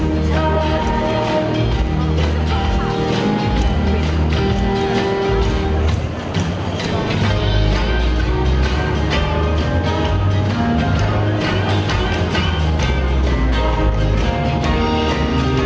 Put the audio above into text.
ทุกรหายอยู่บนหลายความเศร้าคิดมุมน้อยสักวัน